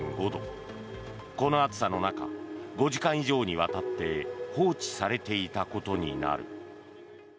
この暑さの中５時間以上にわたって放置されていたことになる。